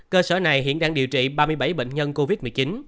cơ sở này hiện đang điều trị ba mươi bảy bệnh nhân covid một mươi chín